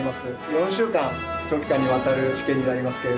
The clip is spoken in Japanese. ４週間長期間にわたる試験になりますけれども」。